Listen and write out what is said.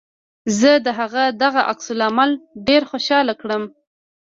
زه د هغه دغه عکس العمل ډېر خوشحاله کړم